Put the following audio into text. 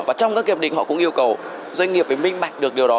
và trong các hiệp định họ cũng yêu cầu doanh nghiệp phải minh bạch được điều đó